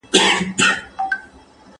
¬ يو څه ژرنده پڅه وه، يو څه غنم لانده وه.